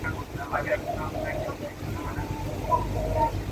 په هغه ورځ به يو لاس ورنه پرې كېږي.!